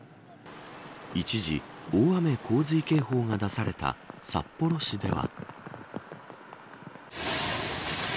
一時大雨洪水警報が出された札幌市では。